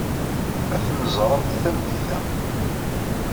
Ad ten-ẓrent tameddit-a.